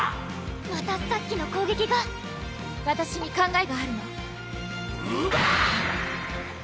またさっきの攻撃がわたしに考えがあるのウバー！